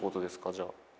じゃあ。